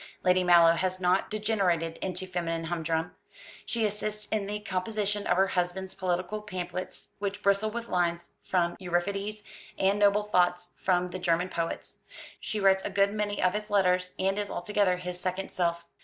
Lady Mallow has not degenerated into feminine humdrum. She assists in the composition of her husband's political pamphlets, which bristle with lines from Euripides, and noble thoughts from the German poets. She writes a good many of his letters, and is altogether his second self.